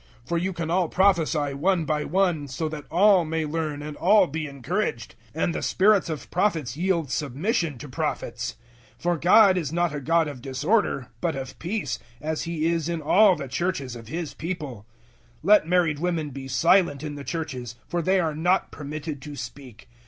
014:031 For you can all prophesy one by one, so that all may learn and all be encouraged: 014:032 and the spirits of Prophets yield submission to Prophets. 014:033 For God is not a God of disorder, but of peace, as He is in all the Churches of His people. 014:034 Let married women be silent in the Churches, for they are not permitted to speak.